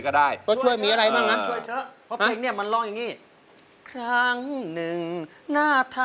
ไม่ได้ยังเป็นแบบนี้นะ